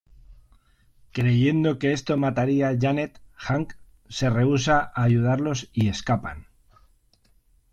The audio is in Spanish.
Creyendo que esto mataría a Janet, Hank se rehúsa a ayudarlos y escapan.